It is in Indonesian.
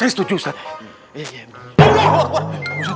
saya setuju ustadz